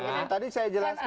tadi saya jelaskan